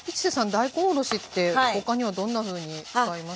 大根おろしって他にはどんなふうに使います？